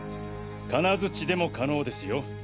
かなづちでも可能ですよ。